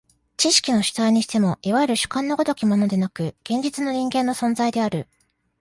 知識の主体にしても、いわゆる主観の如きものでなく、現実の人間の存在である。